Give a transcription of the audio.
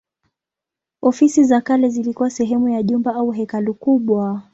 Ofisi za kale zilikuwa sehemu ya jumba au hekalu kubwa.